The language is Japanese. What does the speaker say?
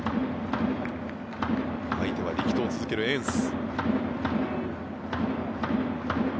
相手は力投を続けるエンス。